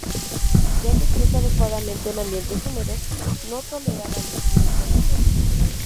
Ya que crece adecuadamente en ambientes húmedos, no tolera la luz directa del sol.